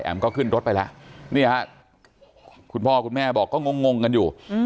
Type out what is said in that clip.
ก็ขึ้นรถไปแล้วนี่ฮะคุณพ่อคุณแม่บอกก็งงกันอยู่